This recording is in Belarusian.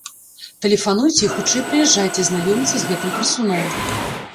Тэлефануйце і хутчэй прыязджайце знаёміцца з гэтым красуном!